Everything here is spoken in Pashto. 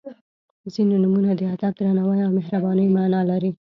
• ځینې نومونه د ادب، درناوي او مهربانۍ معنا لري.